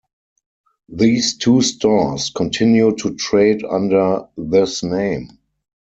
These two stores continue to trade under this name.